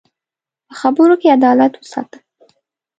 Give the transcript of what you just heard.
په خبرو کې عدالت وساته